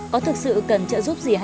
có thực sự cần trẻ